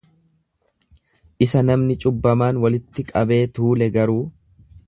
isa namni cubbamaan walitti qabee tuule garuu,